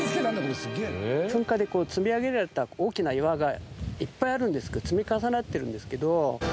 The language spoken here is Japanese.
噴火で積み上げられた大きな岩がいっぱいあるんですけど積み重なってるんですけど。